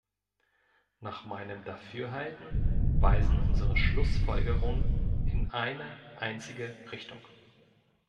Nach meinem Dafürhalten weisen unsere Schlussfolgerungen in eine einzige Richtung.